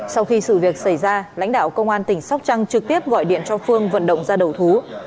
sau khi sự việc xảy ra lãnh đạo công an tỉnh sóc trăng trực tiếp gọi điện cho phương vận động ra đầu thú